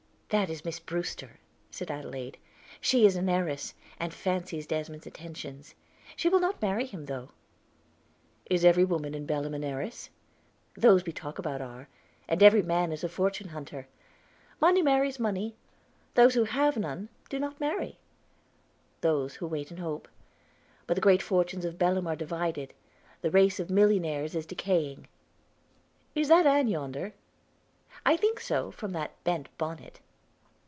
"That is Miss Brewster," said Adelaide. "She is an heiress, and fancies Desmond's attentions: she will not marry him, though." "Is every woman in Belem an heiress?" "Those we talk about are, and every man is a fortune hunter. Money marries money; those who have none do not marry. Those who wait hope. But the great fortunes of Belem are divided; the race of millionaires is decaying." "Is that Ann yonder?" "I think so, from that bent bonnet."